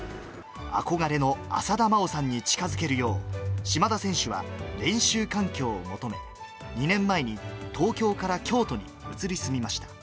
憧れの浅田真央さんに近づけるよう、島田選手は練習環境を求め、２年前に東京から京都に移り住みました。